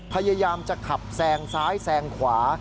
พยายามจะขับแซงซ้ายแซงขวา